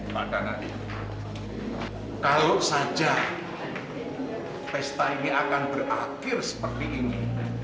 maka nanti kalau saja pesta ini akan berakhir seperti ini